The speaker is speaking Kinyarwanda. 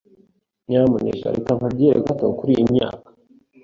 Nyamuneka reka nkubwire gato kuriyi myanya.